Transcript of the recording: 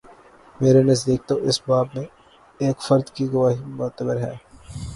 میرے نزدیک تواس باب میں ایک فرد کی گواہی معتبر ہے۔